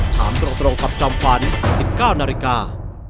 ถามตรงกับจอมขวัญ๑๙นาฬิกา